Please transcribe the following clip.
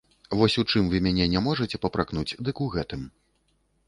Вось у чым вы мяне не можаце папракнуць, дык у гэтым.